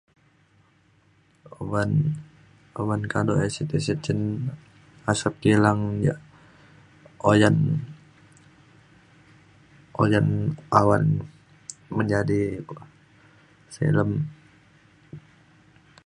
uban uban kado asid asid cin asap kilang ia’ oyan oyan awan menjadi silem